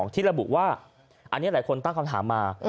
ที่ระบุว่าอันนี้หลายคนตั้งคำถามมา